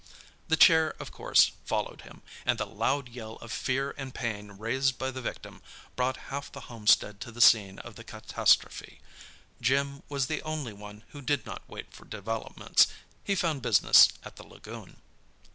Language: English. The chair of course followed him, and the loud yell of fear and pain raised by the victim brought half the homestead to the scene of the catastrophe. Jim was the only one who did not wait for developments. He found business at the lagoon.